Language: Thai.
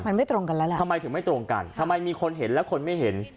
มันไม่ตรงกันแล้วล่ะทำไมถึงไม่ตรงกันทำไมมีคนเห็นและคนไม่เห็น